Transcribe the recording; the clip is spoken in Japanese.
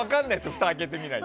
ふたを開けてみないと。